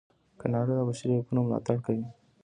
کاناډا د بشري حقونو ملاتړ کوي.